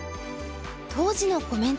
当時のコメントでも。